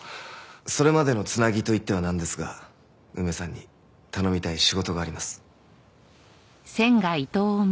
それまでの繋ぎといってはなんですが梅さんに頼みたい仕事があります。